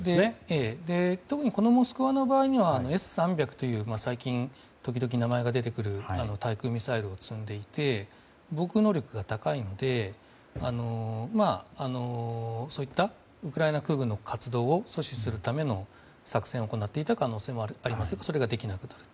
特に「モスクワ」の場合はＳ３００という対空ミサイルを積んでいて防空能力が高いのでそういったウクライナ空軍の活動を阻止するための作戦を行っていた可能性もありますがそれができなくなる。